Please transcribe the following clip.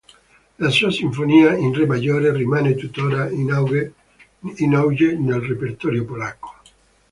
La sua sinfonia in re maggiore rimane tuttora in auge nel repertorio polacco.